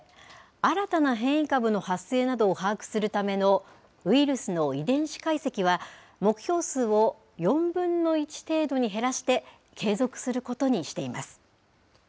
新たな変異株の発生などを把握するためのウイルスの遺伝子解析は、目標数を４分の１程度に減らして継続することにしています。